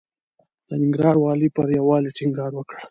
د ننګرهار والي پر يووالي ټينګار وکړ.